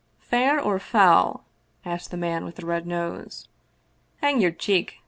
Fair or foul ?" asked the man with the red nose. " Hang your cheek !